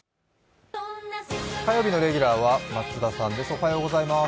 火曜日のレギュラーは松田さんです。